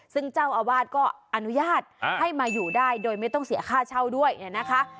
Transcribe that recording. ซึ่งเจ้าอาวาสก็อนุญาตให้มาอยู่ได้โดยไม่ต้องเสียค่าเช่าด้วยนะคะ